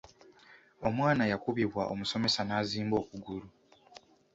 Omwana yakubibwa omusomesa n’azimba okugulu.